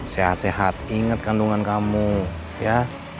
sehat sehat ingat kandungan kamu ya